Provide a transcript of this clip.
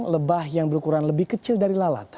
lebah yang berukuran lebih kecil dari lalat